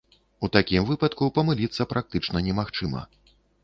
У такім выпадку памыліцца практычна немагчыма.